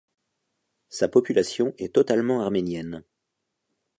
Sa population est totalement arménienne.